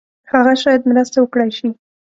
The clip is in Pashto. هغه شاید مرسته وکړای شي.